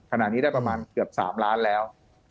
ขณะนี้ได้ประมาณเกือบ๓ล้านแล้ว